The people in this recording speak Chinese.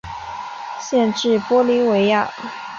县治玻利维亚。